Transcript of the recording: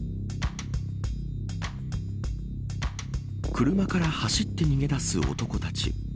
車から走って逃げ出す男たち。